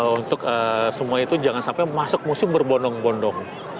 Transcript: untuk semua itu jangan sampai masuk musim berbondong bondong